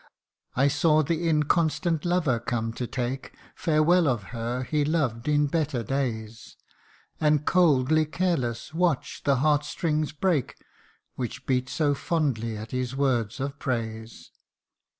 71 " I saw the inconstant lover come to take Farewell of her he loved in better days, And, coldly careless, watch the heart strings break Which beat so fondly at his words of praise.